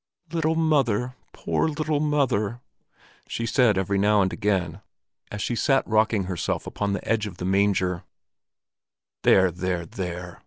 "Little mother! Poor little mother!" she said every now and again, as she sat rocking herself upon the edge of the manger. "There, there, there!"